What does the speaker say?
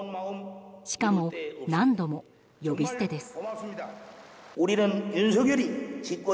しかも、何度も呼び捨てです。